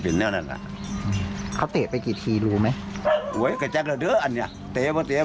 อันเนี่ยเต๋ป้ะเต๋ป้เหรออันเนี่ย